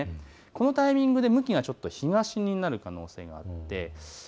このタイミングで向きが東になる可能性があります。